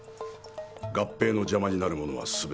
合併の邪魔になるものはすべて。